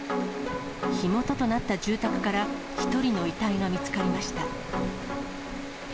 火元となった住宅から１人の遺体が見つかりました。